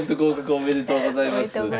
おめでとうございます。